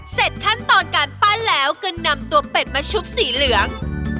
ขั้นตอนการปั้นแล้วก็นำตัวเป็ดมาชุบสีเหลือง